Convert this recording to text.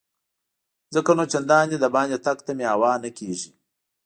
ځکه نو چنداني دباندې تګ ته مې هوا نه کیږي.